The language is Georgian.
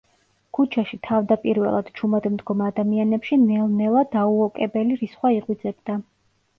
ქუჩაში თავდაპირველად ჩუმად მდგომ ადამიანებში ნელ-ნელა დაუოკებელი რისხვა იღვიძებდა.